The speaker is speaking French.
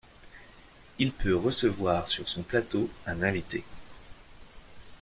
Il peut recevoir sur son plateau un invité.